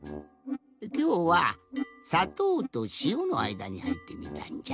きょうはさとうとしおのあいだにはいってみたんじゃ。